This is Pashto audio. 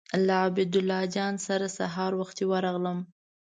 له عبیدالله جان سره سهار وختي ورغلم.